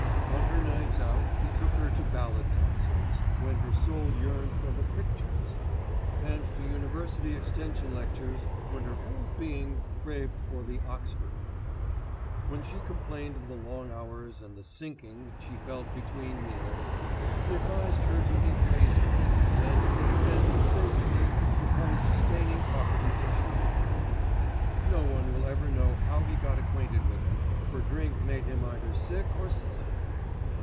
On her nights out he took her to ballad concerts, when her soul yearned for the Pictures; and to University extension lectures, when her whole being craved for the Oxford. When she complained of the long hours and the "sinking" she felt between meals, he advised her to eat raisins, and descanted sagely upon the sustaining properties of sugar. No one will ever know how he got acquainted with her, for drink made him either sick or silly.